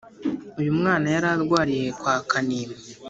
uyumwana yararwariye kwakanimba